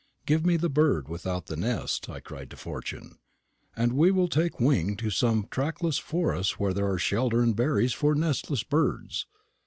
"Give me the bird without the nest," I cried to Fortune; "and we will take wing to some trackless forest where there are shelter and berries for nestless birds.